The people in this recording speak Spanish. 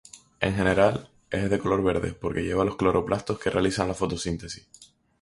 En general es de color verde porque lleva los cloroplastos que realizan la fotosíntesis.